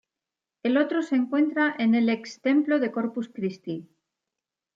El otro se encuentra en el ex templo de Corpus Christi.